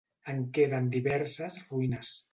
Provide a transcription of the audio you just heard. En queden diverses ruïnes.